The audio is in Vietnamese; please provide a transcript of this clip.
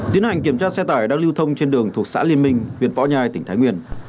tiến hành kiểm tra xe tải đang lưu thông trên đường thuộc xã liên minh huyện võ nhai tỉnh thái nguyên